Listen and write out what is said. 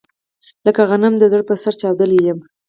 لکه غنم د زړه په سر چاودلی يمه